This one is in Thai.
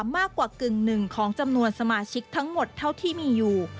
มากกว่ากึ่งหนึ่งของจำนวนสมาชิกทั้งหมดเท่าที่มีอยู่